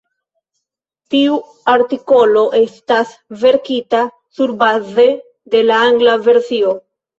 Tiu artikolo estas verkita surbaze de la angla versio.